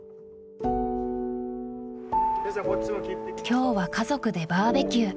今日は家族でバーベキュー。